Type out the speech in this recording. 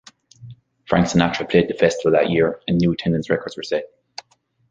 Frank Sinatra played the festival that year, and new attendance records were set.